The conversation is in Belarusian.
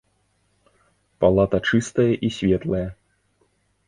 Палата чыстая і светлая.